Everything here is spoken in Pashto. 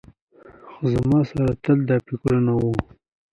خو زما سره تل دا فکرونه وو.